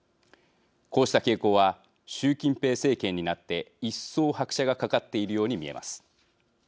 こうした傾向は習近平政権になって一層、拍車がかかっているように見えます。